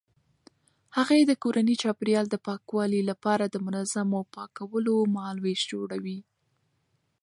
هغې د کورني چاپیریال د پاکوالي لپاره د منظمو پاکولو مهالویش جوړوي.